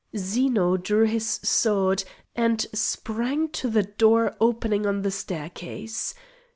Zeno drew his sword and sprang to the door opening on the staircase.